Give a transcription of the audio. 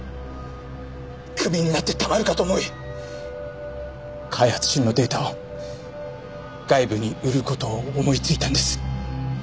クビになってたまるかと思い開発中のデータを外部に売る事を思いついたんです。